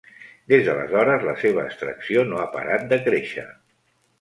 Des d'aleshores, la seva extracció no ha parat de créixer.